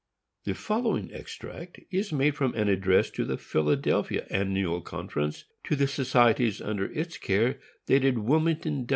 The following extract is made from an address of the Philadelphia Annual Conference to the societies under its care, dated Wilmington Del.